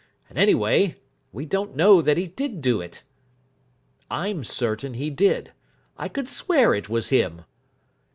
And, anyway, we don't know that he did do it." "I'm certain he did. I could swear it was him."